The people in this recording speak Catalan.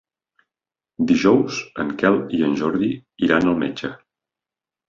Dijous en Quel i en Jordi iran al metge.